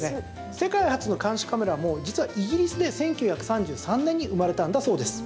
世界初の監視カメラも実は、イギリスで１９３３年に生まれたんだそうです。